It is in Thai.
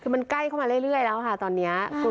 พื้นของโรงเรียนกับแม่น้ำก็คือเป็นพื้นเดียวกันแล้ว